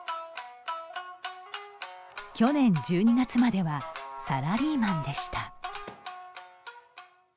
去年１２月まではサラリーマンでした。